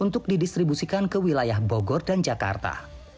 untuk didistribusikan ke wilayah bogor dan jakarta